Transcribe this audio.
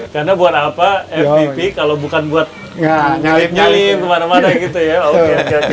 karena buat apa mvp kalau bukan buat nyali nyali kemana mana gitu ya